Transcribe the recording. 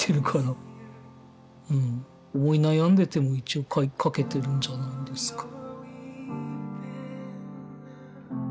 うん思い悩んでても一応描けてるんじゃないんですか。